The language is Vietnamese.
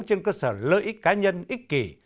trên cơ sở lợi ích cá nhân ích kỷ